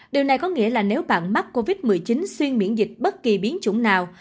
điều này có nghĩa là nếu bạn mắc covid một mươi chín xuyên miễn dịch bất kỳ biến chủng nào